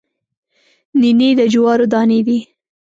نینې د جوارو دانې دي